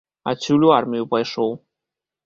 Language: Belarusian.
Адсюль у армію пайшоў.